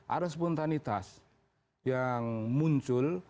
ada spontanitas yang muncul